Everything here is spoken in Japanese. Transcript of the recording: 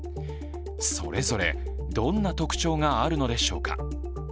それぞれどんな特徴があるのでしょうか。